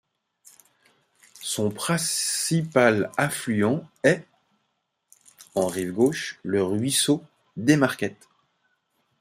Son principal affluent est, en rive gauche, le ruisseau des Marquettes.